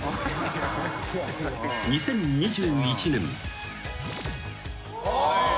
［２０２１年］